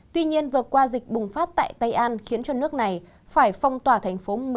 tuy nhiên vừa qua dịch bùng phát tại tây an khiến cho nước này phải phong tỏa thành phố